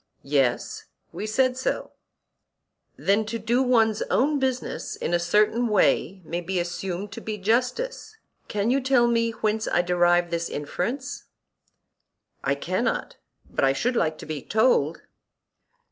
Yes, we said so. Then to do one's own business in a certain way may be assumed to be justice. Can you tell me whence I derive this inference? I cannot, but I should like to be told.